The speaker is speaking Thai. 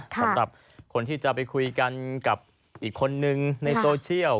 สำหรับคนที่จะไปคุยกันกับอีกคนนึงในโซเชียล